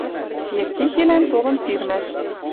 Евтихилӓн толын сирмӓш